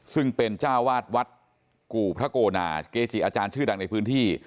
ซึ่งเป็นเจ้าวาดวัดกู่พระโกนาเกจิอาจารย์ชื่อดังในพื้นที่